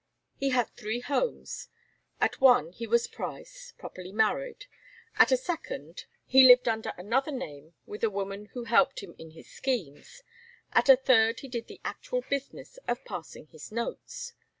He had three homes; at one he was Price, properly married, at a second he lived under [Illustration: CHARLES PRICE, alias OLD PATCH.] another name with a woman who helped him in his schemes, at a third he did the actual business of passing his notes.